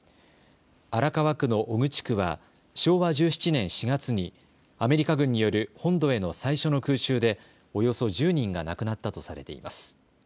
荒川区の尾久地区は昭和１７年４月にアメリカ軍による本土への最初の空襲でおよそ１０人が亡くなったとされています。